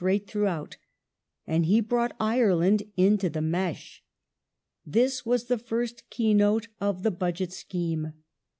rate throughout), and he brought Ireland into the mesh. This was the first keynote of the Budget scheme.